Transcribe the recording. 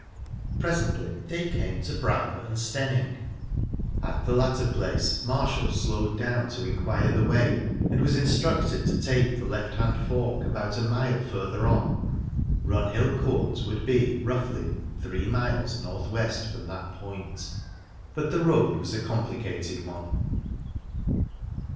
Presently they came to Bramber and Steyning. At the latter place Marshall slowed down to inquire the way, and was instructed to take the left hand fork about a mile further on. Runhill Court would be, roughly, three miles north west from that point, but the road was a complicated one.